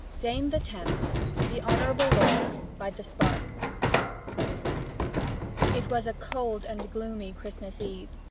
DAME THE TENTH THE HONOURABLE LAURA By the Spark It was a cold and gloomy Christmas Eve.